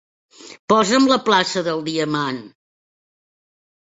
Posa'm la plaça del diamant.